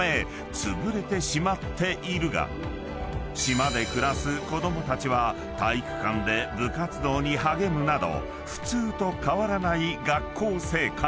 ［島で暮らす子供たちは体育館で部活動に励むなど普通と変わらない学校生活］